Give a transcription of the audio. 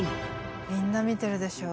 みんな見てるでしょう。